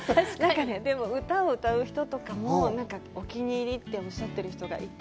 でも、歌を歌う人とかもお気に入りっておっしゃってる人がいて。